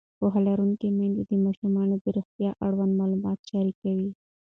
پوهه لرونکې میندې د ماشومانو د روغتیا اړوند معلومات شریکوي.